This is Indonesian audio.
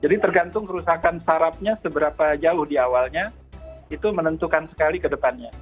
jadi tergantung kerusakan syarabnya seberapa jauh di awalnya itu menentukan sekali ke depannya